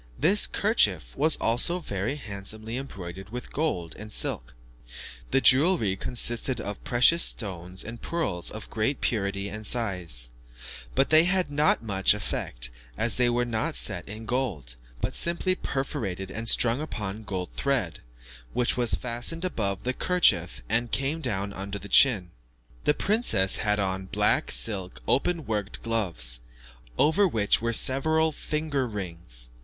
This kerchief was also very handsomely embroidered with gold and silk. The jewellery consisted of precious stones and pearls of great purity and size; but they had not much effect, as they were not set in gold, but simply perforated and strung upon a gold thread, which was fastened above the head kerchief, and came down under the chin. The princess had on black silk open worked gloves, over which were several finger rings.